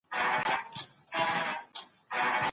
سیاسي بندیان د مدني اعتراضونو قانوني اجازه نه لري.